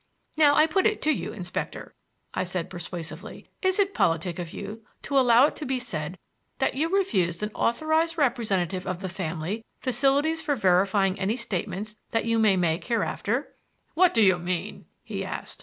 "Now I put it to you, Inspector," said I, persuasively, "is it politic of you to allow it to be said that you refused an authorized representative of the family facilities for verifying any statements that you may make hereafter?" "What do you mean?" he asked.